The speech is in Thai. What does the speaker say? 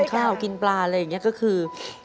ข้าวกินปลาอะไรอย่างนี้ก็คือ